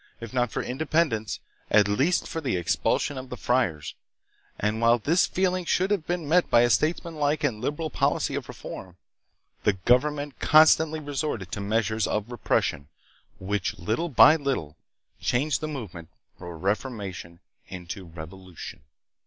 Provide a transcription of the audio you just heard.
if not for independence, PROGRESS AND REVOLUTION. 1837 1897. 281 at least for the expulsion of the friars; and while this feeling should have been met by a statesmanlike and liberal policy of reform, the government constantly re sorted to measures of repression, which little by little changed the movement for reformation into revolution.